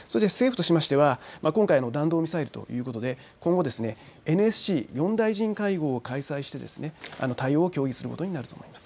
政府としましては今回の弾道ミサイルということで今後、ＮＳＣ４大臣会合を開催して対応を協議することになると思います。